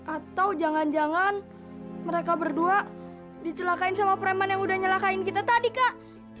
atau jangan jangan mereka berdua dicelakain sama preman yang udah nyelakain kita tadi kak